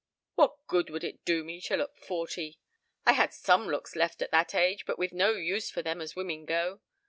What good would it do me to look forty? I had some looks left at that age but with no use for them as women go.